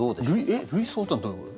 えっ類想っていうのはどういうこと？